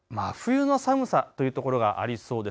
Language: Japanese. あすは真冬の寒さというところがありそうです。